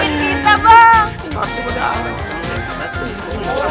maksudnya udah amat si markum